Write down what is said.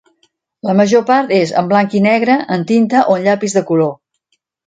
La major part és en blanc i negre, en tinta o en llapis de color.